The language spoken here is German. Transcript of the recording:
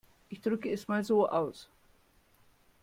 Ich drücke es mal so aus.